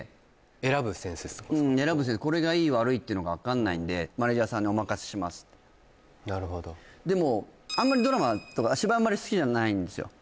これがいい悪いってのが分かんないんでマネージャーさんにお任せしますってなるほどでもあんまりドラマとか芝居あんまり好きじゃないんですよ